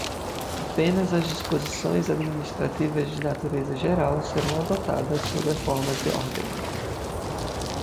Apenas as disposições administrativas de natureza geral serão adotadas sob a forma de ordem.